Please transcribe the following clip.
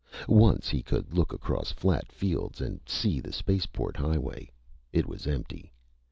Once he could look across flat fields and see the spaceport highway. It was empty.